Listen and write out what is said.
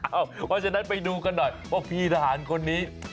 เพราะฉะนั้นไปดูกันหน่อยว่าพี่ทหารคนนี้